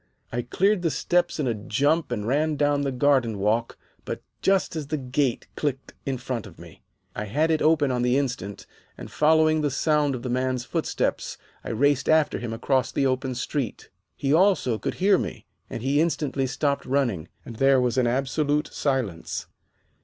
I cleared the steps in a jump and ran down the garden walk but just as the gate clicked in front of me. I had it open on the instant, and, following the sound of the man's footsteps, I raced after him across the open street. He, also, could hear me, and he instantly stopped running, and there was absolute silence.